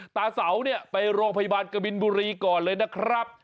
เสาเนี่ยไปโรงพยาบาลกบินบุรีก่อนเลยนะครับ